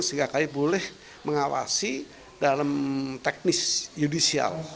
sehingga kalian boleh mengawasi dalam teknis yudisial